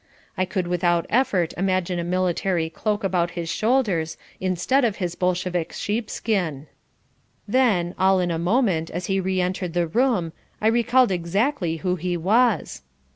I could without effort imagine a military cloak about his shoulders instead of his Bolshevik sheepskin. Then, all in a moment, as he re entered the room, I recalled exactly who he was.